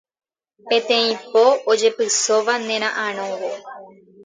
Peteĩ po ojepysóva nera'ãrõvo